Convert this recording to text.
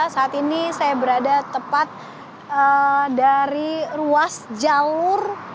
saat ini saya berada tepat dari ruas jalur